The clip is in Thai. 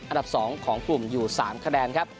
อันดับ๒ของกลุ่มอยู่๓คะแนนครับ